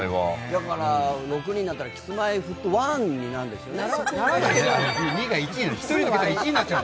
だから６人になったらＫｉｓ−Ｍｙ−Ｆｔ１になるのかな。